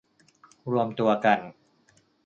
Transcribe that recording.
รวมตัวกัน